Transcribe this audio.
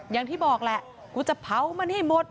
อย่างที่บอกแหละกูจะเผามันให้หมด